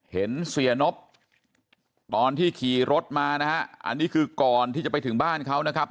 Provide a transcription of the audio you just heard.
เห็นเสียนบตอนที่ขี่รถมานะฮะอันนี้คือก่อนที่จะไปถึงบ้านเขานะครับ